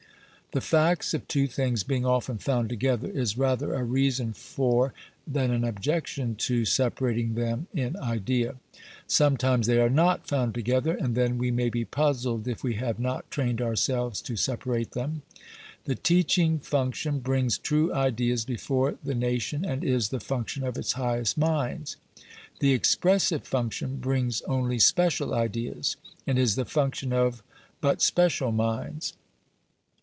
The facts of two things being often found together is rather a reason for, than an objection to, separating them, in idea. Sometimes they are NOT found together, and then we may be puzzled if we have not trained ourselves to separate them. The teaching function brings true ideas before the nation, and is the function of its highest minds. The expressive function brings only special ideas, and is the function of but special minds.